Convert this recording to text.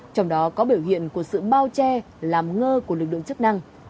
trong đó có biểu hiện của sự bao che làm ngơ của lực lượng chức năng